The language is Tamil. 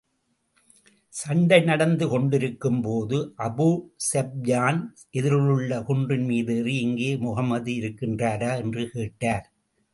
சண்டை நடந்து கொண்டிருக்கும் போது அபூ ஸூப்யான் எதிரிலுள்ள குன்றின் மீதேறி, இங்கே முஹம்மது இருக்கின்றாரா? என்று கேட்டார்.